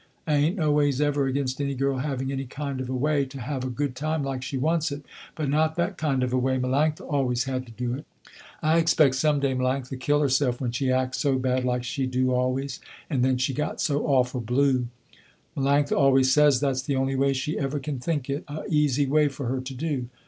I ain't no ways ever against any girl having any kind of a way, to have a good time like she wants it, but not that kind of a way Melanctha always had to do it. I expect some day Melanctha kill herself, when she act so bad like she do always, and then she got so awful blue. Melanctha always says that's the only way she ever can think it a easy way for her to do.